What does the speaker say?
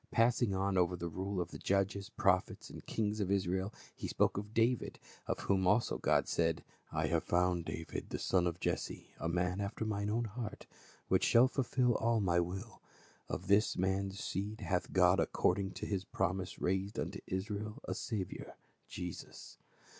Passing on over the rule of the judges, prophets and kings of Israel, he spoke of David, of whom also God said, " I have found David, the son of Jesse, a man after mine own heart, which shall fulfill all my will. — Of this man's seed hath God according to his promise raised unto Israel a Sa viour, Jesus."